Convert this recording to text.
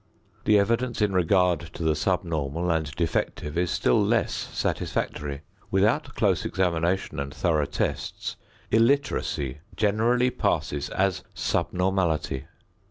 The evidence in regard to the subnormal and defective is still less satisfactory. Without close examination and thorough tests, illiteracy generally passes as subnormality.